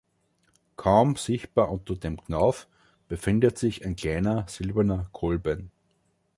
Kaum sichtbar unter dem Knauf befindet sich ein kleiner silberner Kolben.